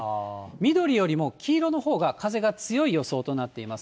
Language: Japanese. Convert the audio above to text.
緑よりも黄色のほうが風が強い予想となっています。